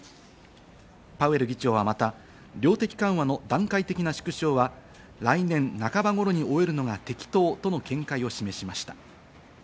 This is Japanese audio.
パウエル議長はまた、量的緩和の段階的な縮小は、来年半ば頃に終えるのが適当との見解を示しました。